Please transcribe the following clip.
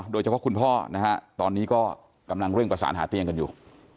โดยเฉพาะคุณพ่อนะฮะตอนนี้ก็กำลังเร่งประสานหาเตียงกันอยู่